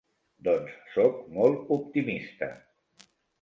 Doncs soc molt optimista.